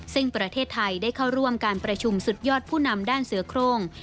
ซึ่งประเทศไทยได้เข้าร่วมการประชุมสุดยอดผู้นำด้านเสือโครง